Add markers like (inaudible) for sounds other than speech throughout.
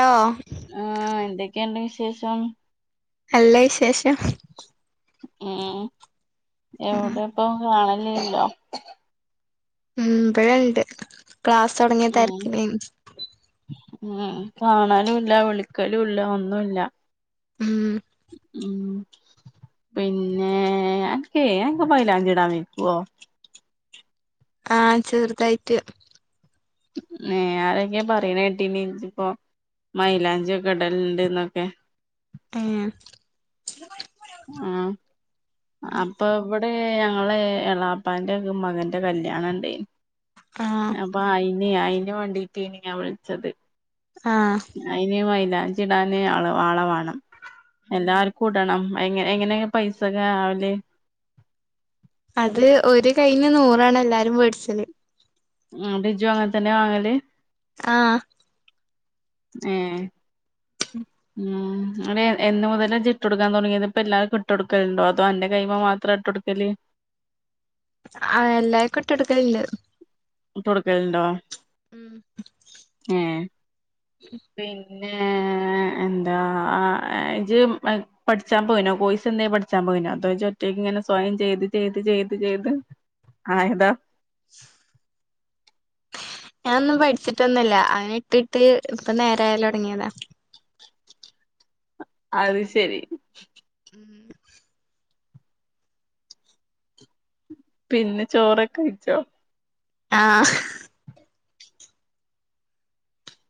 Hello ആഹ് എന്തൊക്കെയുണ്ട് വിശേഷം നല്ല വിശേഷം ഉം ഉം യൗടേപ്പം കാണലില്ലല്ലോ ഉം ബടെണ്ട് ക്ലാസ്സൊട്ങ്ങ്യ ഉം തെര്ക്കിലേനി ഉം കാണലൂല്ല വിളിക്കലൂല്ല ഒന്നൂല്ല ഉം ഉം പിന്നേ അൻക്കേയ് അൻക്ക് മൈലാഞ്ചിടാൻ വെയ്ക്കോ ആ ചെറുതായിട്ട് ഏ ആരൊക്കേ പറിണേട്ടീനി ജ്ജ്പ്പൊ മൈലാഞ്ചി ഒക്കെ ടൽണ്ട് ന്നൊക്കെ ഏഹ് ആഹ് അപ്പ വടേ ഞങ്ങളേ എളാപ്പാന്റെ മകന്റെ കല്യാണണ്ടേനി ആഹ് അപ്പ അയ്ന് അയ്ന് വേണ്ടീട്ടേനി ഞാൻ വിൾച്ചത് ആഹ് അയ്ന് മൈലാഞ്ചിടാന് ആള ആള വാണം ഉം എല്ലാർക് ക്കുടണം. എങ്ങ എങ്ങനെയ്ന് പൈസൊക്കെ ആവല് അത് ഒരു കയ്യിന് നൂറാണ് എല്ലാരും വേട്ച്ചല് ന്നട്ട് ഇജു അങ്ങൻ തന്നെ വാങ്ങല് ആഹ് ഏഹ് ഉം ങ്ങട്ട് എന്ന് മുതലാ ജ്ട്ടൊടുക്കാൻ തൊടങ്ങിയത്, പ്പെല്ലാർക്കും ഇട്ടൊട്ക്കൽണ്ടോ അതോ അന്റെ കൈമ മാത്ര ട്ടൊട്ക്കല് ആ എല്ലാർക്കുട്ടൊട്ക്കൽണ്ട് ഇട്ടൊട്ക്കൽണ്ടോ ഉം ഏഹ് പിന്നേ എന്താ അ അ ജ് മ പഠിച്ചാൻ പോയിനോ കോഴ്സെന്തേ പഠിച്ചാൻ പോയിനോ, അതൊ ഇജൊറ്റയ്ക്ക് ഇങ്ങനെ സ്വയം ചെയ്ത് ചെയ്ത് ചെയ്ത് ചെയ്ത് ആയതാ ഞാനൊന്നും പഠിച്ചിട്ടൊന്നല്ല, അങ്ങനെ ഇട്ടിട്ട് ഇപ്പ നേരാവലൊട്ങ്ങിയതാ അത് ശരി മ പിന്നെ ചോറൊക്കെ വെയ്ച്ചോ ആഹ്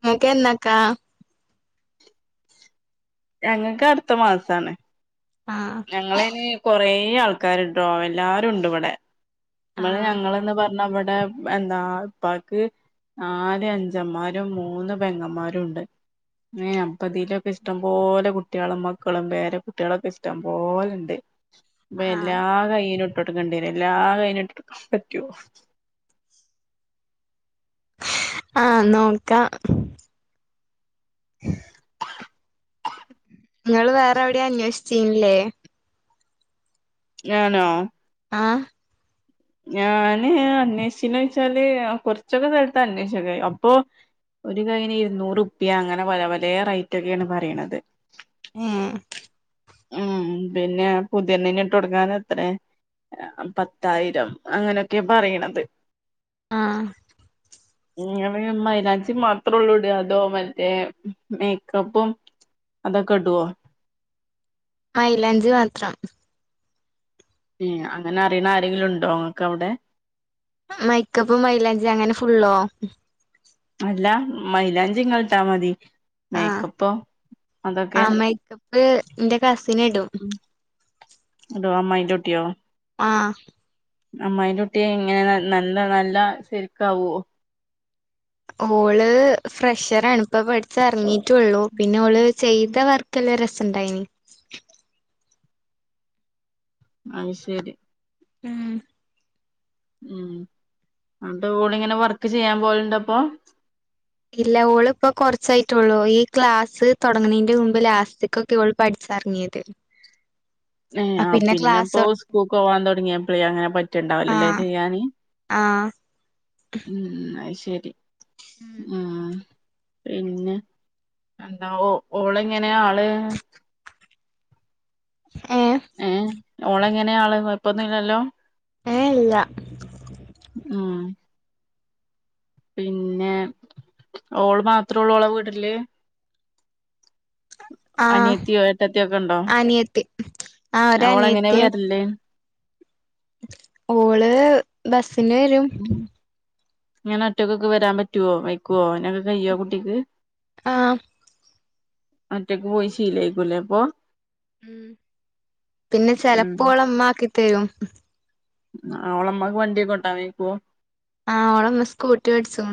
ങ്ങക്കെന്നക്കാ ഞങ്ങക്ക് അട്ത്ത മാസാണ് ആഹ് ഞങ്ങളയ്ന് കൊറേ ആൾക്കാര് ട്ടോ എല്ലാരുണ്ട് വടെ ബടെ ആഹ് ഞങ്ങള്ന്ന് പർഞ്ഞ ഇബടെ എന്താ ഇപ്പാക്ക് നാല് അഞ്ചന്മാരും മൂന്ന് പെങ്ങന്മാരുണ്ട് ഏഹ് അപ്പ തിലൊക്കെ ഇഷ്ടംപോലെ കുട്ട്യാളും മക്കളും പേരക്കുട്ട്യാളൊക്കെ ഇഷ്ടം പോലെണ്ട് അപ്പ ആഹ് എല്ലാ കൈയ്യ്‌നുട്ടൊട്ക്കണ്ടേരു എല്ലാ കയ്യിനു ഇട്ടൊടുക്കാൻ പറ്റോ ആഹ് നോക്ക (inaudible) നിങ്ങള് വേറെ എവിടെ അന്വേഷിച്ചില്ലേ ഞാനോ ആഹ് ഞാന് അന്വേഷിച്ചോന്ന് ചോദിച്ചാല് കൊറച്ചൊക്കെ സ്ഥലത്ത് അന്വേഷിച്ച് നോക്കിയാരുന്നു അപോ മരുക്കെ അപ്പൊ- ഒരു കൈന് ഇരുന്നൂറ് റുപ്പിയ അങ്ങനെ പല പലേ റേറ്റ് ഒക്കെയാണ് പറയണത് ഉം ഉം പിന്നെ പുതിന്നിന ഇട്ട് കൊടുക്കാൻ എത്രയെ പത്തായിരം അങ്ങനെയൊക്കെ പറയണത് ആഹാ (inaudible) നിങ്ങൾള് മൈലാഞ്ചി മാത്രം ഉള്ളൂ ഇടുക അതോ മറ്റേ മേക്കപ്പും- അതൊക്കെ ഇടുവോ മൈലാഞ്ചി മാത്രം ഉം അങ്ങനെ അറിയണ ആരെങ്കിലും ഉണ്ടോ നിങ്ങക്ക് അവിടെ മൈക്കപ്പും മൈലാഞ്ചി അങ്ങനെ ഫുള്ളോ അല്ല മൈലാഞ്ചി നിങ്ങളിട്ടാമതി ആഹ് മേക്കപ്പൊ അതൊക്കെയൊ ആഹ് മേക്കപ്പ് എന്റെ കസിൻ ഇടും അതോ അമ്മായിന്റ കുട്ടിയോ ആഹാ അമ്മായിന്റെ കുട്ടി ഇങ്ങനെ നല്ല നല്ല ശെരിക്കാവുമോ ഓള് ഫ്രഷറാണ് ഇപ്പം പഠിച്ച് എറങ്ങീട്ടുള്ളു പിന്നെ ഓള്- ചെയ്ത വർക്കെല്ലാം രസവുണ്ടായിനി അത് ശരി ഉം ഉം എന്നിട്ട് ഓള് ഇങ്ങനെ വർക്ക് ചെയ്യാൻ പോലണ്ട് അപ്പൊ ഇല്ല ഓള് ഇപ്പൊ കൊറച്ചായിട്ടുള്ളൂ ഈ ക്ലാസ് തൊടങ്ങണെനു മുമ്പ് ലാസ്റ്റ് ക്കെ ഇവൾ പഠിച്ച് എറങ്ങിയത് (inaudible) ഏ ആ പിന്നെപ്പോ ക്ലാസ് സ്കൂൾക്ക് പോവാൻ തൊടങ്ങിയപ്പളേ അങ്ങനെ പറ്റിണ്ടാവില്ല അല്ലേ ആഹ് ചെയ്യാന് ആഹ് ഉം അത് ശരി ഉം പിന്നെ എന്താ ഓ ഓള് എങ്ങനെയാ ആള് ആ (unintelligible) ഏ ഓള് എങ്ങനെയ ആള് കൊഴപ്പൊന്നും ഇല്ലല്ലോ ഏയ് ഇല്ല ഉം പിന്നെ ഓള് മാത്രേ ഉള്ളൂ ഓളെ വീട്ടില്ല് ആഹ് അനിയത്തിയോ എട്ടത്തിയോ ഒക്കെ ഉണ്ടോ അനിയത്തി ആഹ് അവള് എങ്ങനെയ ഒരനിയത്തിയും വെരല് ഓള് ബസിന് വരും ഇങ്ങനെ ഒറ്റക്കൊക്കെ വരാൻ പറ്റുവോ വെക്കുവോ അതിനൊക്കെ കഴിയുവോ കുട്ടിക്ക് ആഹ് ഒറ്റക്ക് പോയി ശീലായിക്കും അല്ലേ അപ്പൊ ഉം പിന്നെ ഉം ചെലപ്പൊ അവളെ ഉമ്മ ആക്കി തരും അവളെ അമ്മാക്ക് വണ്ടിയൊക്കെ ഒണ്ടാവു ആരിക്കുവോ ആഹ് ഓളന്ന് സ്കൂട്ടി ഓടിച്ചും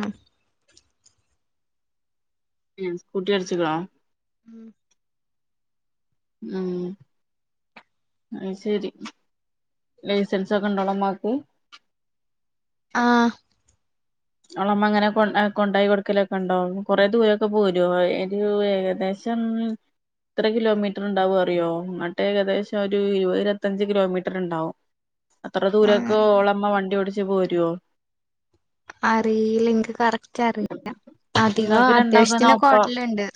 സ്കൂട്ടി അടിച്ചിക്കണ ഉം ഉം അയ് ശരി ലൈസൻസൊക്കെ ഇണ്ടോ ഇമ്മാക്ക് ആഹ് ഓളമ്മ അങ്ങനെ കൊ കൊണ്ടായി കൊടുക്കലൊക്കെ ഉണ്ടോ കൊറെ ദൂരൊക്കെ പോലോ ഒരു ഏകദേ ജം എത്ര കിലോമീറ്റർ ഇണ്ടാവോ അറിയോ എന്നിട്ട് ഏകദേശം ഒരു ഇരുപത് ഇരുപത്തഞ്ച് കിലോമീറ്റർ ഇണ്ടാവും അത്ര ആഹ് ദൂരൊക്കെ ഓളമ്മ വണ്ടി ഓടിച്ച് പോരോ? അറീല ഇൻക്ക് കറക്റ്റ് അറീല അധികം ഇങ്ങക്ക് രണ്ടാക്കും അത്യാവശ്യത്തിനൊക്കെ ഓട്ടല്ണ്ട്.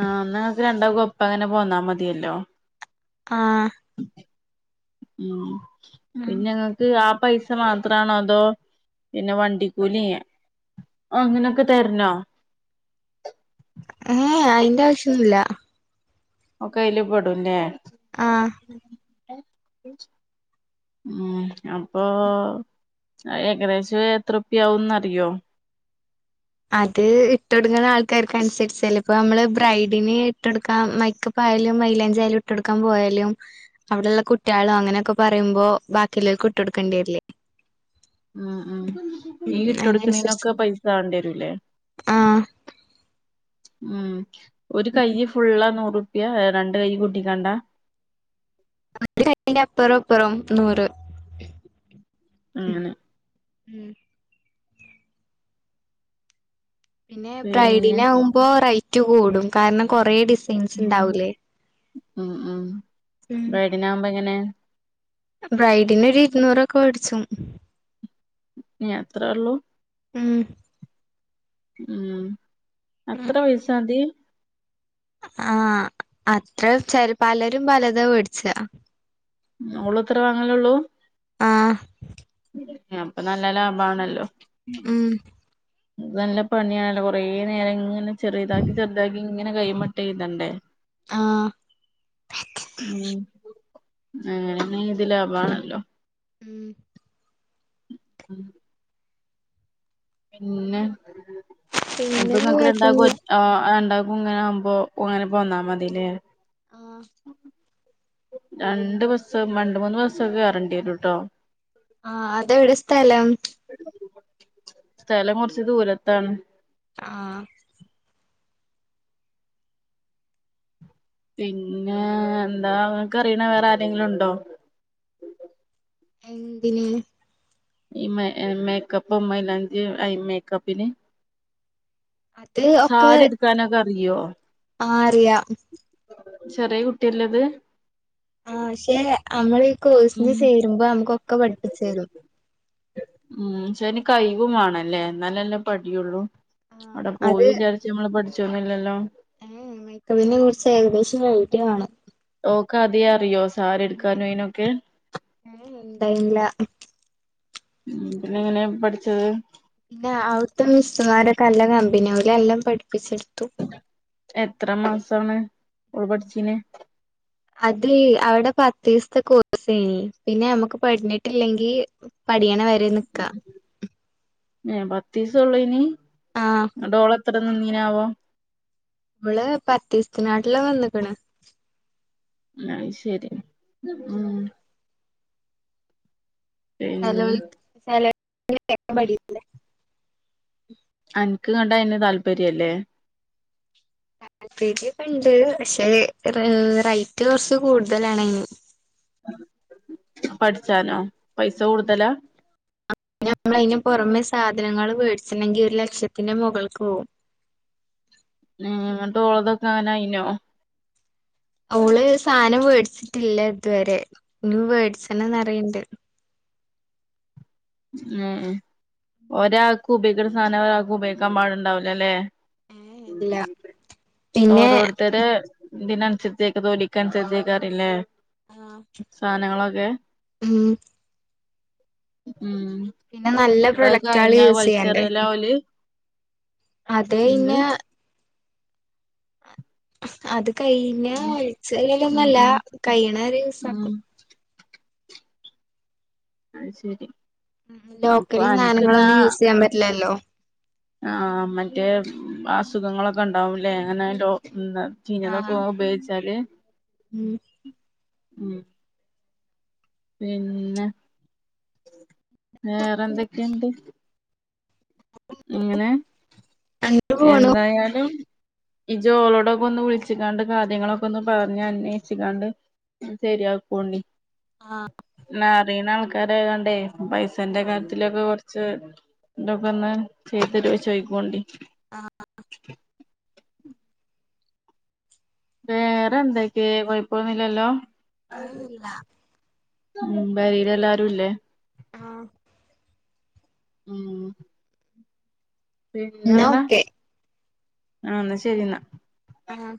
ആഹ് എന്നാ ഇങ്ങൾക്ക് രണ്ടാക്കും ഒപ്പങ്ങെനെ പോന്നാ മതീയല്ലോ. ആഹ് ഉം പിന്നെ ഇങ്ങക്ക് ആ പൈസ മാത്രാണോ അതോ പിന്നെ വണ്ടിക്കൂലി അങ്ങനൊക്കെ തെര്ണോ? ഏഹ് അയിന്റ ആവിശ്യൊന്നുല്ല. ഒക്കെ അയ്ല് പെടുംലെ? ആഹ് ഉം അപ്പൊ ആഹ് ഏകദേശം എത്ര റുപ്യാ ആവുന്ന് അറിയോ? അത് ഇട്ട് കൊട്ക്ക്ണ ആൾക്കാർക്ക് അനുസരിച്ചല്ലെ ഇപ്പ ന്മ്മള് ബ്രൈഡിന് ഇട്ട്കൊട്ക്കാൻ മെക്കപ്പ് പ്പായാലും മൈലാഞ്ചി ആയാലും ഇട്ടൊടുക്കാൻ പോയാലും അവിടെള്ള കുട്ടിയാളും അങ്ങനൊയൊക്കെ പറയുമ്പോ ബാക്കില്ലോൽക്ക് ഇട്ട് കൊട്ക്കെണ്ടിവെര്ലെ? ഉം ഉം ഈ ഇട്ടൊട്ക്കണീനൊക്കെ പൈ സാ വേണ്ടി വെരൂലെ ആഹ് ഉം ഒര് കയ്യ് ഫുള്ളാ നൂറുപ്യാ രണ്ട് കൈ കൂട്ടിക്കാണ്ടാ? രണ്ട് കയ്യിന്റെ അപ്പറോം ഇപ്പറോം നൂറ്. അങ്ങനെ ഉം പിന്നെ ബ്രൈഡിനാവുമ്പോ റേറ്റ് കൂടും കാര്ണം കൊറേ ഡിസ് ഉം ഉം ഉം ബ്രൈഡിനാമ്പോ എങ്ങനെ? ബ്രൈഡിനൊരു ഇര്ന്നൂറൊക്കെ വേട്ച്ചും. ഞ അത്രേള്ളു? ഉം ഉം അത്ര പൈസാതീ? ആഹ് അത്ര ചെ പലെരും പലതാ വേട്ച്ച. ഉം ഓളും ഇത്രേ വാങ്ങലൊള്ളൂ? ആഹ് ആഹ് അപ്പ നല്ല ലാഭാണല്ലോ ഉം ഇത് നല്ലെ പണിയാണല്ലോ കൊറേ നേരം ഇങ്ങനെ ചെറ്താക്കി ചെർതാക്കി ഇങ്ങനെ കയ്യ്മ്മെ ഇട്ട് എയുതണ്ടെ. ആഹ് ഉം അങ്ങനേണെങ്കി ഇത് ലാഭാണല്ലോ. ഉം ഉം പിന്നെ അപ്പൊ പിന്നെന്താ ഇങ്ങക്ക് രണ്ടാക്കു ഒ കൊഴപ്പൊന്നുല്ല ആഹ്, രണ്ടാക്കും ഇങ്ങെനെ ആവുമ്പോ ഉങ്ങെനെ പോന്നാ മതിലെ? ആഹ് രണ്ട് ബസ്സ്‌ രണ്ട്, മൂന്ന് ബസ്സൊക്കെ കേറെണ്ടി വെരുംട്ടോ. ആഹ് അതെവിടെ സ്ഥലം? സ്ഥലം കൊർച്ച് ദൂരെത്താണ്. ആഹ് പിന്നെ എന്താ ഇങ്ങക്ക് അറീണെ വേറെ ആരെങ്കിലുംഇണ്ടോ? എന്തിന്? ഈമെ മേക്കെപ്പും മൈലാഞ്ചി അയ് മേക്കപ്പിന്? അത് ഒക്കെ സാരി ഇട്ക്കാനൊക്കെ അറിയോ ആഹ് അറിയാം ചെറിയെ കുട്ടിയല്ലെ അത്? ആഹ് ശെ അമ്മളീ കോഴ്സിന് ഉം ചേരുമ്പോ ഞമുക്കൊക്കെ പഠിപ്പിച്ച് തെരും. ഉം ശേ അയ്ന് കയ് വും വാണംലെ ഇന്നാലല്ലെ പടിയൊള്ളു. അവിടെ അത് പോയി വിജാരിച്ച് ഞമ്മള് പഠിച്ചൊന്നുല്ലല്ലോ. ഏഹ് മെയ്ക്കപ്പിനെ കുർച്ച് ഏകദേശം ഒരഐടിയവാണം. ഓക്ക് ആദ്ദേ അറിയോ സാരി ഇട്ക്കാനും അയ്നൊക്കെ? (inaudible) ഉ പിന്നെ എങ്ങനെ പഠിച്ചത് പിന്നെ അവിടുത്തെ മിസ്റ്റുമാരൊക്കെ എല്ലാം കമ്പനിയാവല എല്ലാം പഠിപ്പിച്ചെടുത്തു എത്ര മാസമാണ് ഉൾപടിച്ചീന് അതെ അവിടെ പത് ദിവസത്തെ കോഴ്സ പിന്നെ നമ്മുക്ക് പഠഞ്ഞിട്ടില്ലെങ്കിൽ പഠിയണ വരെ നിക്ക ഏ പത്തീസഉള്ളിനി ആഹ ഡോള് എത്ര നിനിന്ന് ആവോ ഓൾ പത്തേസ്നാട്ടില വന്നിക്കണ് അയ്ശരി മ് പിന്നെ സാലക്ക (inaudible) പയില്ല അനിക്ക് കണ്ട അയിന് താല്പര്യം ഇല്ലേ താല്പര്യ ഒക്കെ ഉണ്ട് പക്ഷേ റേറ്റ് കുറച്ച് കൂടുതലാണന് പഠിച്ചാനോ പൈസ കൂടുതല നമ്മളതിന് പുറമെ സാധനങ്ങൾ മേടിച്ചണ്ടെങ്കിൽ ഒരു ലക്ഷത്തിന്റെ മുകൾക്ക് പോവും മ് എന്നിട് ഓൾടെതൊക്കെ അങ്ങനെ അയിനോ ആഹ ഓള് സാധനം വേടിച്ചിട്ടില്ല ഇതുവരെ ഇനി വേടിച്ചണം എന്ന് പറയുന്നുണ്ട് മ് മ്മ് ഒരാൾക്ക് ഉപയോഗിക്കുന്ന സാധനം ഒരാൾക്ക് ഉപയോഗിക്കാൻ പാടുണ്ടാവില്ല അല്ലേ ഏ ഇല്ല (inaudible) പിന്നെ ഓരോ തടെ ഇതിന്ന് അനസരിച്ചക്കതോടിക്കനസർച്ചക്കാറില്ലേ ആഹ ഉഹ് ഉം പിന്നെ നല്ല എട പ്രൊഡക്റ്റാള് കഴിഞ്ഞ യൂസ് ചെയ്യണ്ടേ വളിച്ചറിയല്ല ഓല് അത് എന്ത് കഴിഞ്ഞാൽ അത് കഴിഞ്ഞ ഉം ഒലിച്ചലല്ല ഉം ഒന്നുംല്ല ഉം കഴിണ വരെ ഒരു ദിവസ ഉം ആഹ ശരി അപ്പൊ ലോക്കല് അൻക്ക്ന്നാ സാനങ്ങളൊന്നും യൂസ് ചെയ്യാൻ പറ്റില്ലല്ലോ ആഹ മറ്റേ അസുഖങ്ങളൊക്കെ ഉണ്ടാവുംലേ അങ്ങനെ ചീനല്ല കു ആഹ് വേടിച്ചാൽ ഉം ഉം ഉം പിന്നെ വേറെ എന്തൊക്കെയുണ്ട്? എങ്ങനെ അങ്ങനെ പോണു എന്തായാലും ഇജ്ജ് ളോടൊക്കെ ഒന്ന് വിളിച്ചിങ്ങാണ്ട് കാര്യങ്ങളൊക്കെ ഒന്ന് പറഞ്ഞ് അന്വേഷിച്ചിങ്ങാണ്ട് ഒന്ന് സെരിയാക്കോണ്ടിം ആഹ് എന്നാ അറിയ്ണ ആൾക്കാരായ്ങ്ങോണ്ടേ പൈസേന്റെ ആഹ് കാര്യത്തിലൊക്കെ കൊറച്ച് വന്ന് ചെയ്തരോ ചോയ്ക്കോണ്ടി ആഹ് വേറെ എന്തൊക്കെ കൊഴപ്പൊന്നില്ലല്ലോ ആഹ് ഇല്ല ഉം പെരീല് എല്ലാരും ഇല്ലേ ആഹ് ഉം എന്നാ പിന്നെന്താ ഓക്കെ ആഹ് എന്നാ ശരിന്നാ ആഹ്